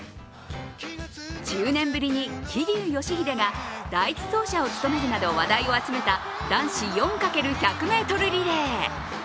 １０年ぶりに桐生祥秀が第１走者を務めるなど話題を集めた男子４×１００ｍリレー。